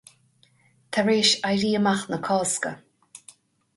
Tar éis Éirí Amach na Cásca.